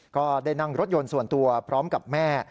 ก็ได้นั่งรถยนต์ส่วนตัวพร้อมกับแม่